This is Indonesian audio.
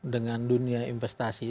dengan dunia investasi